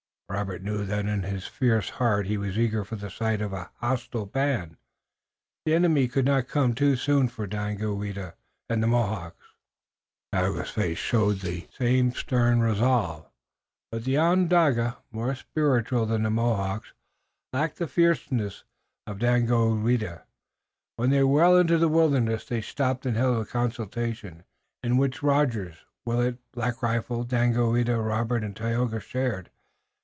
Robert knew that in his fierce heart he was eager for the sight of a hostile band. The enemy could not come too soon for Daganoweda and the Mohawks. Tayoga's face showed the same stern resolve, but the Onondaga, more spiritual than the Mohawk, lacked the fierceness of Daganoweda. When they were well into the wilderness they stopped and held a consultation, in which Rogers, Willet, Black Rifle, Daganoweda, Robert and Tayoga shared.